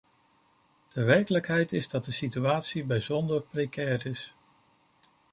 De werkelijkheid is dat de situatie bijzonder precair is.